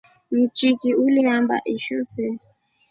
Nchiki uleamba isho see.